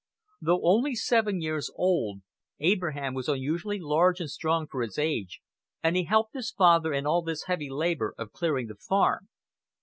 Though only seven years old, Abraham was unusually large and strong for his age, and he helped his father in all this heavy labor of clearing the farm.